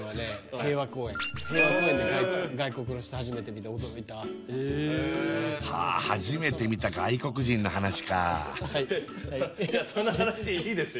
平和公園平和公園で外国の人初めて見て驚いたはあ初めて見た外国人の話かいやその話いいですよ